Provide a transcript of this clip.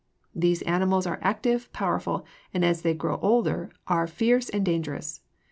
These animals are active and powerful, and as they grow older are fierce and dangerous.